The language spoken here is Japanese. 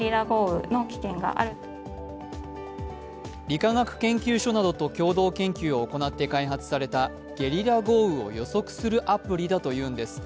理化学研究所などと共同研究を行って開発されたゲリラ豪雨を予測するアプリだというんです。